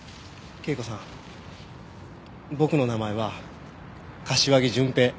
圭子さん僕の名前は柏木順平。